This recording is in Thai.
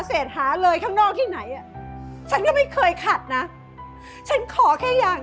ที่ผ่านมาพี่จะอาจจะไปหาเสร็จหาเลยข้างนอกที่ไหน